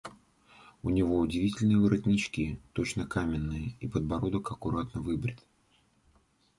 У него удивительные воротнички, точно каменные, и подбородок аккуратно выбрит.